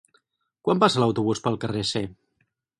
Quan passa l'autobús pel carrer C?